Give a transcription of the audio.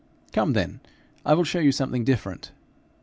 Come, then, I will show you something different.'